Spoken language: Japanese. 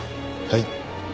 はい。